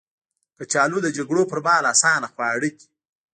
کچالو د جګړو پر مهال اسانه خواړه دي